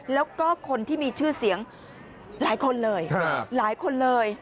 แล้วก็คนที่มีชื่อเสียงหลายคนเลย